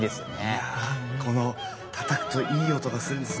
いやぁこのたたくといい音がするんですよね。